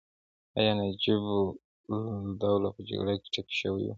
ایا نجیب الدوله په جګړه کې ټپي شوی و؟